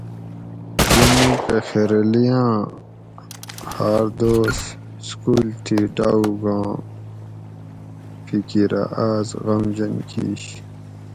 دی مُوکہ خیرلیاں ھار دوس سکول تھی ڈاووگاں فِکیرہ آس غمژن کیش